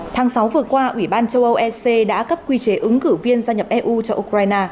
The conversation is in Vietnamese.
tháng sáu vừa qua ủy ban châu âu ec đã cấp quy chế ứng cử viên gia nhập eu cho ukraine